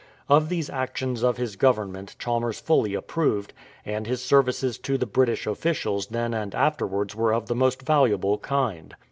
Of these actions of his Government Chalmers fully approved, and his services to the British officials then and afterwards were of the most valuable kind.